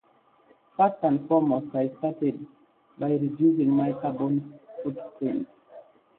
First and foremost, I started by reducing my carbon footprint.